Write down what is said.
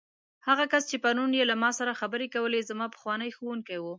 هغه کس چې پرون یې له ما سره خبرې کولې، زما پخوانی ښوونکی و.